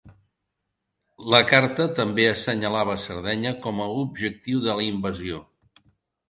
La carta també assenyalava Sardenya com a objectiu de la invasió.